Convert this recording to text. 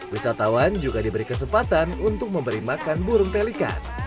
wisatawan juga diberi kesempatan untuk memberi makan burung pelikan